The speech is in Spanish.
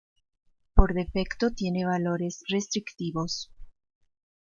Por defecto tiene valores restrictivos.